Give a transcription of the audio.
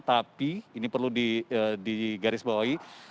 tapi ini perlu digarisbawahi